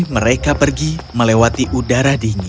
mereka pergi melewati udara dingin